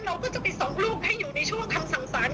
เราก็จะไปส่งลูกให้อยู่ในช่วงคำสั่งสาร